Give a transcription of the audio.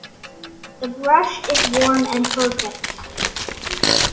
The brush is warm and perfect